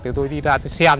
thì tôi đi ra tôi xem